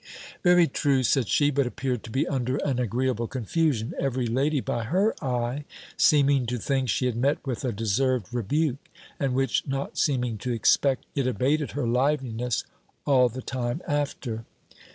"Very true," said she; but appeared to be under an agreeable confusion, every lady, by her eye, seeming to think she had met with a deserved rebuke; and which not seeming to expect, it abated her liveliness all the time after.